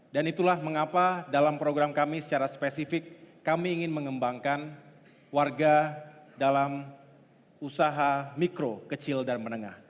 dan itulah mengapa dalam program kami secara spesifik kami ingin mengembangkan warga dalam usaha mikro kecil dan menengah